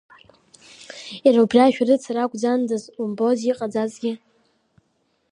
Иара убри ашәарыцара акәӡандаз умбоз иҟаӡазгьы.